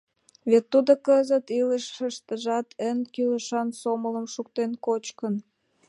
Вет тудо кызыт илышыштыжат эн кӱлешан сомылым шуктен — кочкын.